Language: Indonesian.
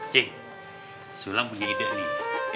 cek sulam punya ide nih